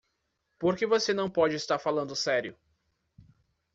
Por que você não pode estar falando sério?